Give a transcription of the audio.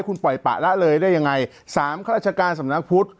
คุณปล่อยปะละเลยได้ยังไงสามข้าราชการสำนักพุทธ